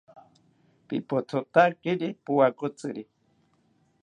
Pitothotakiri powakotziri